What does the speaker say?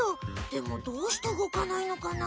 でもどうして動かないのかな？